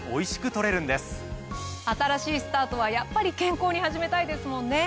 新しいスタートはやっぱり健康に始めたいですもんね。